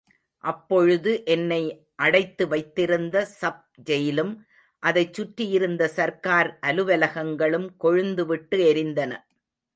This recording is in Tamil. அப்பொழுது என்னை அடைத்து வைத்திருந்த சப் ஜெயிலும், அதைச் சுற்றி இருந்த சர்க்கார் அலுவலகங்களும் கொழுந்து விட்டு எரிந்தன.